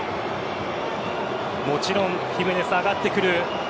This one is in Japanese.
もちろんヒメネス上がってくる。